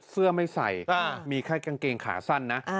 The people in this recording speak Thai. เสื้อไม่ใส่มีแค่กางเกงขาสั้นนะ